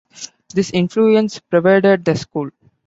This influence pervaded the school.